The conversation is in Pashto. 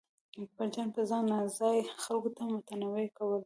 اکبرجان به ځای ناځای خلکو ته منتونه کول.